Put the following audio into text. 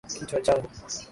Kichwa changu.